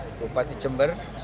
semua tahu bahwa di jemberan